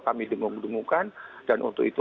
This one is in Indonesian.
kami dengung dengungkan dan untuk itu